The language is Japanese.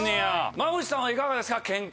馬淵さんはいかがですか？